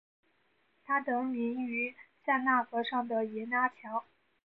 它得名于塞纳河上的耶拿桥。